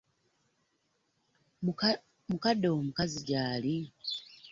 Mukadde wo omukazi gyali?